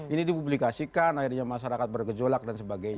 ini dipublikasikan akhirnya masyarakat bergejolak dan sebagainya